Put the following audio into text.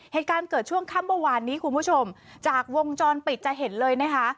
เหตุการณ์เกิดช่วงค่ำเมื่อวานนี้คุณผู้ชมจากวงจรปิดจะเห็นเลยนะคะ